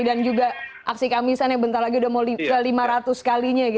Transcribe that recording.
dan juga aksi kamisan yang bentar lagi udah lima ratus kalinya